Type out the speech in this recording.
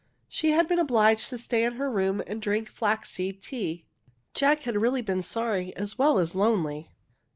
She had been obliged to stay in her room and drink flaxseed tea. Jack had reaUy been sorry as well as lonely.